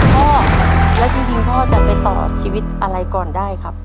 พ่อแล้วจริงพ่อจะไปต่อชีวิตอะไรก่อนได้ครับ